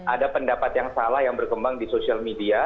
ada pendapat yang salah yang berkembang di sosial media